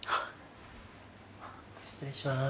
失礼します。